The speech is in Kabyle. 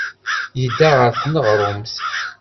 Yedda ɣer tneɣrumt.